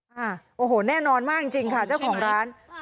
โอ้โหแน่นอนมากจริงค่ะเจ้าของร้าน